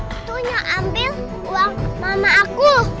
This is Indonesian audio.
itunya ambil uang mama aku